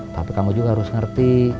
tapi kamu juga harus ngerti